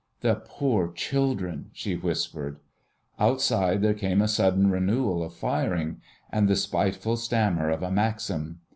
"The poor children," she whispered. Outside there came a sudden renewal of firing and the spiteful stammer of a maxim.